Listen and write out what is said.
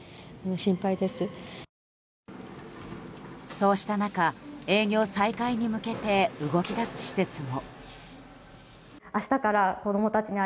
そうした中、営業再開に向けて動き出す施設も。